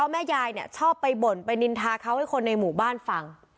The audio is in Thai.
แม่ยายเนี่ยชอบไปบ่นไปนินทาเขาให้คนในหมู่บ้านฟัง